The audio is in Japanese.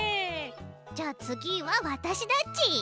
じゃあ次はわたしだち。